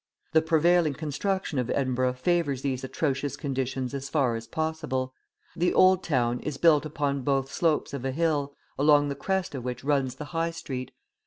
The prevailing construction of Edinburgh favours these atrocious conditions as far as possible. The Old Town is built upon both slopes of a hill, along the crest of which runs the High Street.